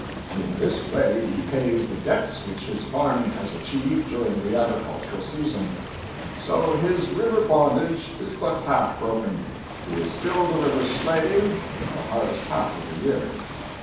In this way he pays the debts which his farming has achieved during the agricultural season. So his river bondage is but half broken; he is still the river's slave the hardest half of the year.